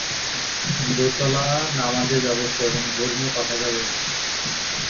দোতলা নামাজের ব্যবস্থা এবং ধর্মীয় পাঠাগার রয়েছে।